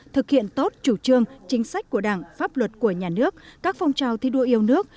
thực hiện tốt chủ trương chính sách của đảng pháp luật của nhà nước các phong trào thi đua yêu nước